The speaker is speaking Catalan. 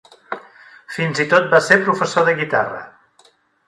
Fins i tot va ser professor de guitarra.